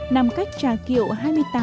nằm cách trà kiệu hai mươi tám km về phía tây